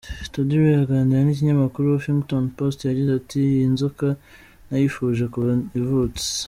Todd Ray aganira n’ikinyamakuru Huffington Post yagize ati: "Iyi nzoka nayifuje kuva ivutse.